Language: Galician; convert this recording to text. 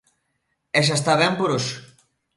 E xa está ben por hoxe.